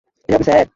এবার আপনি, স্যার?